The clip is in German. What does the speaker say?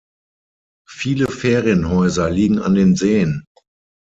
Viele Ferienhäuser liegen an den Seen.